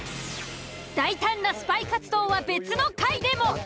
大胆なスパイ活動は別の回でも。